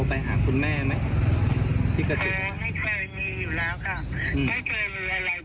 ไม่เคยคือแข่งของแม่เลย